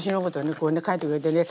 こうね描いてくれてね。